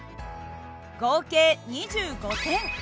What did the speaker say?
合計２５点。